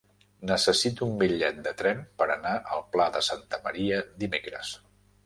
Necessito un bitllet de tren per anar al Pla de Santa Maria dimecres.